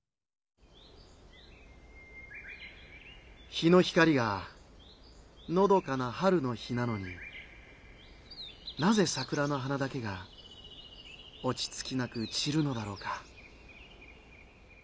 「日の光がのどかな春の日なのになぜさくらの花だけがおちつきなく散るのだろうか」。